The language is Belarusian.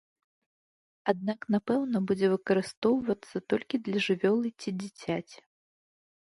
Аднак, напэўна, будзе выкарыстоўвацца толькі для жывёлы ці дзіцяці.